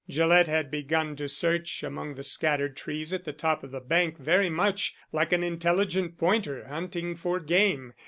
Gillett had begun to search among the scattered trees at the top of the bank very much like an intelligent pointer hunting for game.